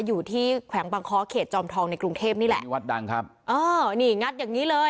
อยู่ที่แขวงบางคอเขตจอมทองในกรุงเทพนี่แหละที่วัดดังครับเออนี่งัดอย่างงี้เลย